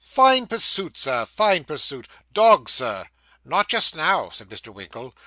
'Fine pursuit, sir fine pursuit. Dogs, Sir?' 'Not just now,' said Mr. Winkle.